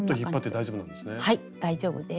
大丈夫です。